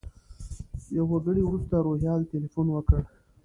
یو ګړی وروسته روهیال تیلفون وکړ.